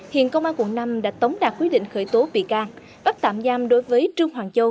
hiện công an quận năm đã tống đạt quyết định khởi tố bị can bắt tạm giam đối với trương hoàng châu